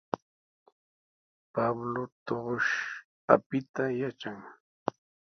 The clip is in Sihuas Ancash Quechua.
Pablo tuqush apita yatran.